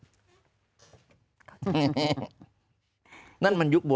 หลายครั้งหลายครั้ง